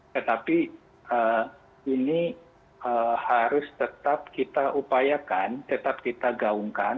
tetapi ini harus tetap kita upayakan tetap kita gaungkan